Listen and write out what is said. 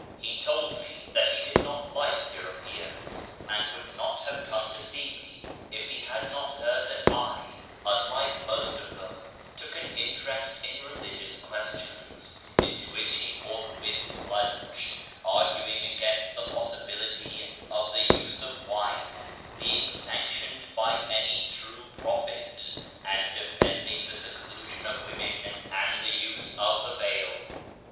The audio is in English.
He told me that he did not like Europeans, and would not have come to see me if he had not heard that I, unlike most of them, took an interest in religious questions, into which he forthwith plunged, arguing against the possibility of the use of wine being sanctioned by any true prophet, and defending the seclusion of women and the use of the veil.